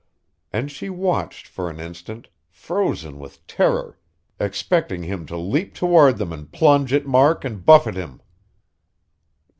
And she watched for an instant, frozen with terror, expecting him to leap toward them and plunge at Mark and buffet him....